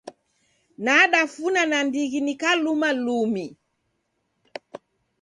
Nadafuna nandighi nikakuluma lumi.